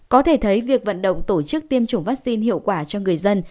có thể thấy việc vận động tổ chức tiêm chủng vaccine hiệu quả cho người dân